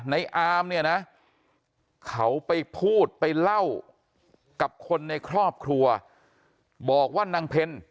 ในอามเนี่ยนะเขาไปพูดไปเล่ากับคนในครอบครัวบอกว่านางเพล